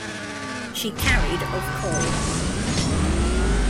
She carried of coal.